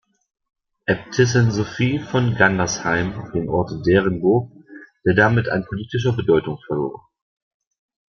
Äbtissin Sophie von Gandersheim den Ort Derenburg, der damit an politischer Bedeutung verlor.